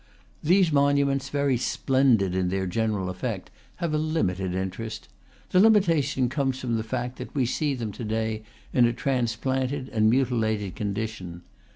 These monuments, very splendid in their general effect, have a limited interest. The limitation comes from the fact that we see them to day in a transplanted and mutilated condition.